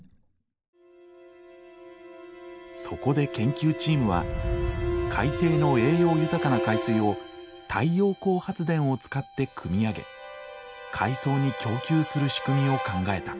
そこで研究チームは海底の栄養豊かな海水を太陽光発電を使ってくみ上げ海藻に供給する仕組みを考えた。